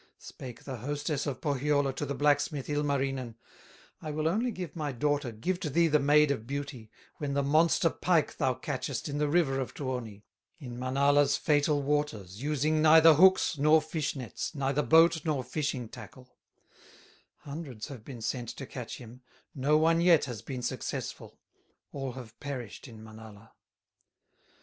Spake the hostess of Pohyola To the blacksmith, Ilmarinen: "I will only give my daughter, Give to thee the Maid of Beauty, When the monster pike thou catchest In the river of Tuoni, In Manala's fatal waters, Using neither hooks, nor fish nets, Neither boat, nor fishing tackle; Hundreds have been sent to catch him, No one yet has been successful, All have perished in Manala."